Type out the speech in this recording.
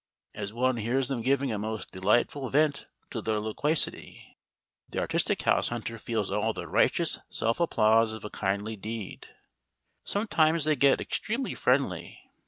As one hears them giving a most delightful vent to their loquacity, the artistic house hunter feels all the righteous self applause of a kindly deed. Sometimes they get extremely friendly.